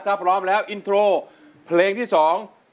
ถ้าพร้อมแล้วอินโทรเพลงที่สอง